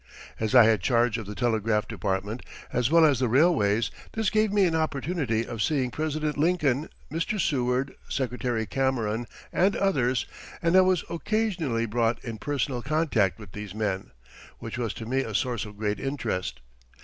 As I had charge of the telegraph department, as well as the railways, this gave me an opportunity of seeing President Lincoln, Mr. Seward, Secretary Cameron, and others; and I was occasionally brought in personal contact with these men, which was to me a source of great interest.